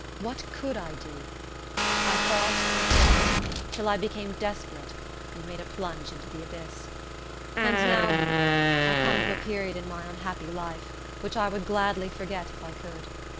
What could I do? I thought and thought, till I became desperate, and made a plunge into the abyss. And now, reader, I come to a period in my unhappy life, which I would gladly forget if I could.